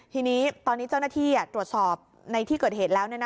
ทีนี้ตอนนี้เจ้าหน้าที่ตรวจสอบในที่เกิดเหตุแล้ว